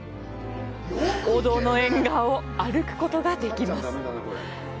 お堂の縁側を歩くことができます。